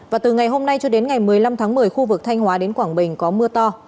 và từ ngày hôm nay cho đến ngày một mươi năm tháng một mươi khu vực thanh hóa đến quảng bình có mưa to